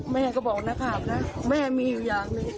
แม่ก็บอกนักข่าวนะแม่มีอยู่อย่างหนึ่ง